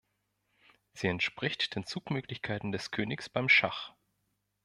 Sie entspricht den Zugmöglichkeiten des Königs beim Schach.